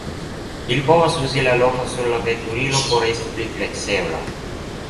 Ili povas uzi la lokon sur la veturilo por esti pli fleksebla.